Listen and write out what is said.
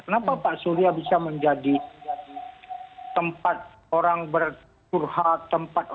kenapa pak surya bisa menjadi tempat orang berkurha tempat